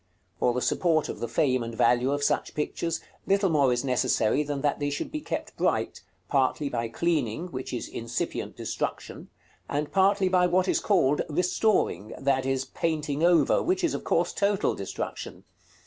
For the support of the fame and value of such pictures, little more is necessary than that they should be kept bright, partly by cleaning, which is incipient destruction, and partly by what is called "restoring," that is, painting over, which is of course total destruction.